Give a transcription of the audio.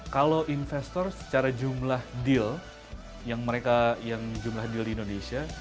kalau investor secara jumlah deal yang mereka yang jumlah deal di indonesia